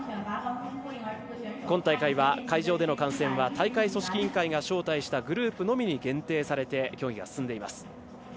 今大会は会場での観戦は大会組織委員会が招待したグループのみに限定されて競技が進んでいます。